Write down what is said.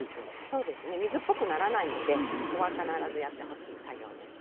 そうですね水っぽくならないのでここは必ずやってほしい作業です。